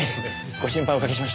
ご心配おかけしました。